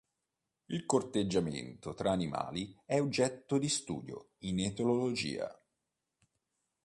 Il corteggiamento tra animali è oggetto di studio in etologia.